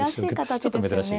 ちょっと珍しい。